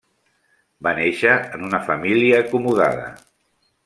Va néixer en una família acomodada.